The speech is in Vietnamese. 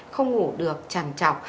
không ngủ được chẳng chọc